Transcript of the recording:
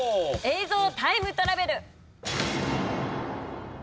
映像タイムトラベル！